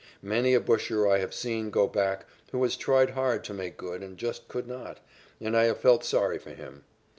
Many a busher I have seen go back who has tried hard to make good and just could not, and I have felt sorry for him.